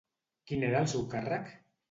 Quin era el seu càrrec?